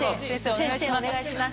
先生お願いします。